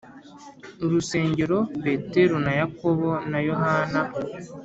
Urusengero petero na yakobo na yohana